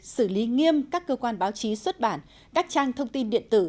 xử lý nghiêm các cơ quan báo chí xuất bản các trang thông tin điện tử